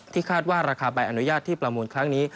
คาดว่าราคาใบอนุญาตที่ประมูลครั้งนี้